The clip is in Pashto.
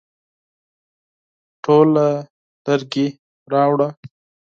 ټوله لرګي راوړه ؟